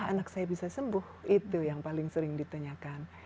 anak saya bisa sembuh itu yang paling sering ditanyakan